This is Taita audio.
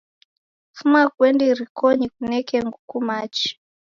Fuma kuende irikonyi kuneke nguku machi.